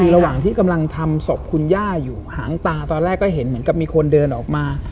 ระหว่างที่กำลังทำศพคุณย่าอยู่หางตาตอนแรกก็เห็นเหมือนกับมีคนเดินออกมา